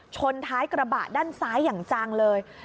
ชนท้ายกระบะด้านซ้ายอย่างจังเลย